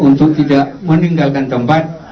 untuk tidak meninggalkan tempat